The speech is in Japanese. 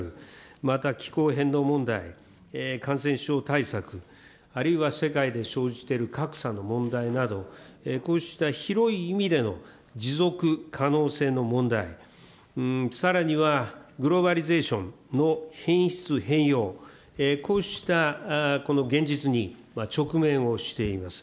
また気候変動問題、感染症対策、あるいは世界で生じている格差の問題など、こうした広い意味での持続可能性の問題、さらにはグローバリゼーションの変質変容、こうしたこの現実に直面をしています。